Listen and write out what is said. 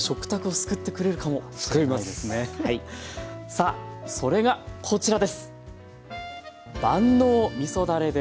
さあそれがこちらです！